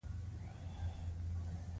مارغان او کبونه هم فقاریه دي